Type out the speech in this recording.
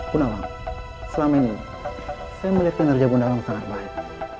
bunawang selama ini saya melihat kinerja bunawang sangat baik